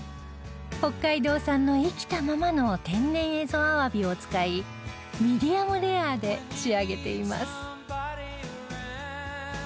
北海道産の生きたままの天然蝦夷鮑を使いミディアムレアで仕上げています